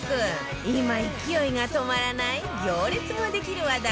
今勢いが止まらない行列もできる話題のコストコ